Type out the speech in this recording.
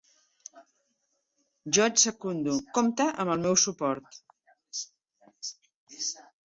Jo et secundo: compta amb el meu suport.